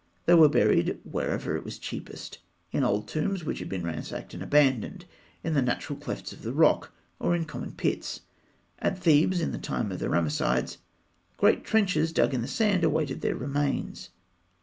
They were buried wherever it was cheapest in old tombs which had been ransacked and abandoned; in the natural clefts of the rock; or in common pits. At Thebes, in the time of the Ramessides, great trenches dug in the sand awaited their remains.